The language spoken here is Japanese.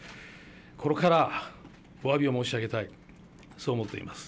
心からおわびを申し上げたい、そう思っています。